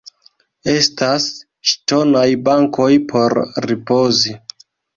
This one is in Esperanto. Estas ŝtonaj bankoj por ripozi.